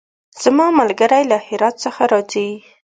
زما ملګری له هرات څخه راځی